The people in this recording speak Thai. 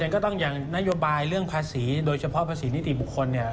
ก็ต้องอย่างนโยบายเรื่องภาษีโดยเฉพาะภาษีนิติบุคคลเนี่ย